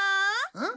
うん？